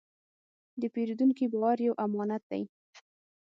د پیرودونکي باور یو امانت دی.